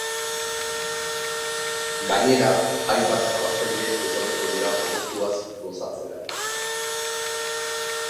Gainera, hainbat jarraitzaile etorriko dira momentuaz gozatzera.